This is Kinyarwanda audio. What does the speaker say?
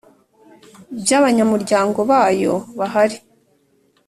By abanyamuryango bayo bahari